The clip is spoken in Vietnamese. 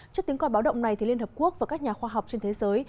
trước tiếng coi báo động này liên hợp quốc và các nhà khoa học trên thế giới